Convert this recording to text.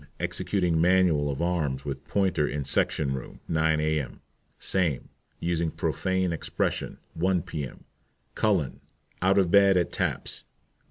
Executing manual of arms with pointer in section room, 9 A.M. SAME. Using profane expression, 1 P.M. CULLEN. Out of bed at taps.